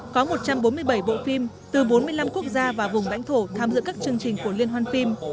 có một trăm bốn mươi bảy bộ phim từ bốn mươi năm quốc gia và vùng lãnh thổ tham dự các chương trình của liên hoan phim